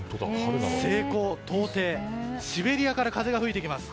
西高東低シベリアから風が吹いてきます。